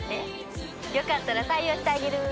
良かったら採用してあげる！